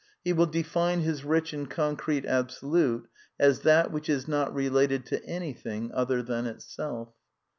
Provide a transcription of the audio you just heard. He will define his rich and concrete Absolute as that which is not related to any (S thing other than itself.